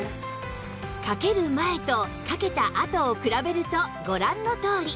かける前とかけたあとを比べるとご覧のとおり